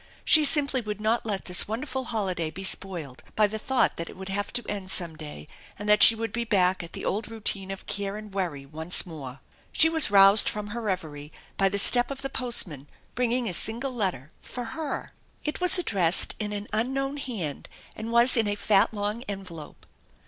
She simply would not let this wonderful holiday be spoiled by the thought that it would have to end some day and that she would be back at the old routine of care and worry once more. She was roused from her reverie by the step of the post man bringing a single letter, for her ! It was addressed in an unknown hand and was in a fat long envelope.